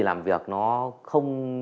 làm việc nó không